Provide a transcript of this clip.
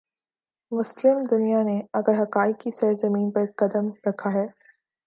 مسلم دنیا نے اگر حقائق کی سرزمین پر قدم رکھا ہے۔